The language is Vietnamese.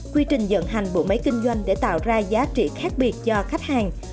quy trình dẫn hành bộ máy kinh doanh để tạo ra giá trị khác biệt cho khách hàng